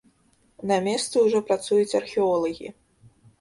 На месцы ўжо працуюць археолагі.